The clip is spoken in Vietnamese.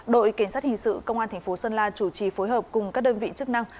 đội kiến sát hình sự công an thành phố sơn la chủ trì phối hợp cùng các đơn vị chức năng